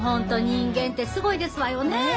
人間ってすごいですわよねえ。